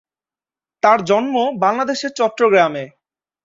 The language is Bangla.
তাঁর জন্ম বাংলাদেশের চট্টগ্রামে।